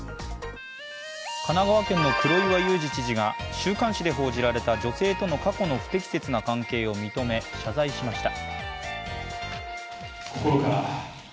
神奈川県の黒岩祐治知事が週刊誌で報じられた女性との過去の不適切な関係を認め、謝罪しました。